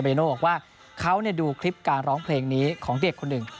โน่บอกว่าเขาดูคลิปการร้องเพลงนี้ของเด็กคนหนึ่ง